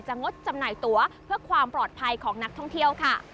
งดจำหน่ายตัวเพื่อความปลอดภัยของนักท่องเที่ยวค่ะ